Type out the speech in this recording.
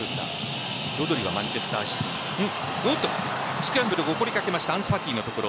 スクランブルが起こりかけましたアンスファティのところ。